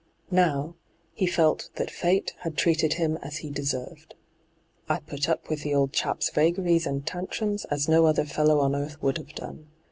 Now, he felt that fate had treated him as he deserved. ' I put up with the old chap's vagaries and tantrums as no other fellow on eartb. would have done.